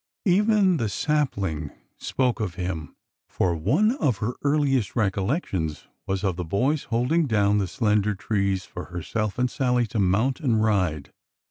Even the sapling spoke of him, — for one of her earliest recollections was of the boys' holding down the slender trees for herself and Sallie to mount and ride.